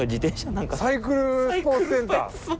サイクルスポーツセンター！